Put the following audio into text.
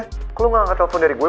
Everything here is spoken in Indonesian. kok lo gak angkat telpon dari gue